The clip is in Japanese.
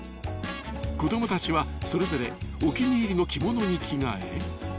［子供たちはそれぞれお気に入りの着物に着替え］